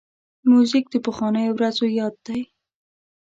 موزیک د پخوانیو ورځو یاد دی.